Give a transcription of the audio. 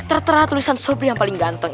tertera tulisan sopri yang paling ganteng